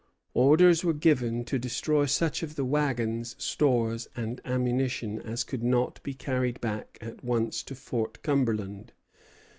Orders were given to destroy such of the wagons, stores, and ammunition as could not be carried back at once to Fort Cumberland.